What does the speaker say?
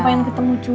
pengen ketemu cucu